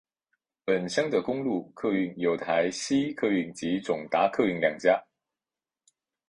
本乡的公路客运有台西客运及总达客运两家。